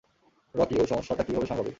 Rocky, ঐ সমস্যাটা কীভাবে সামলাবে?